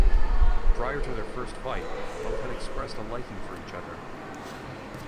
Prior to their first fight, both had expressed a liking for each other.